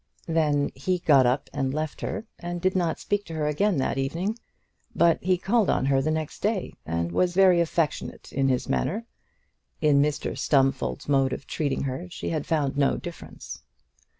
Then he got up and left her, and did not speak to her again that evening, but he called on her the next day, and was very affectionate in his manner. In Mr Stumfold's mode of treating her she had found no difference.